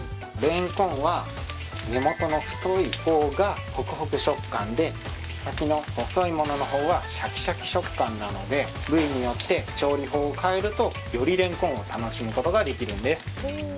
レンコンは根元の太い方がホクホク食感で先の細いものの方がシャキシャキ食感なので部位によって調理法を変えるとよりレンコンを楽しむことができるんです。